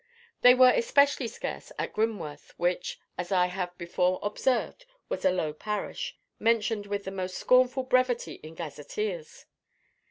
They were especially scarce at Grimworth, which, as I have before observed, was a low parish, mentioned with the most scornful brevity in gazetteers.